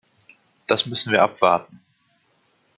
Das müssen wir abwarten.